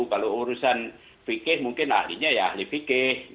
kalau urusan pk mungkin ahlinya ya ahli pk